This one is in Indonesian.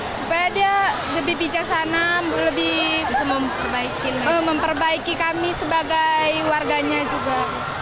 supaya dia lebih bijaksana lebih bisa memperbaiki kami sebagai warganya juga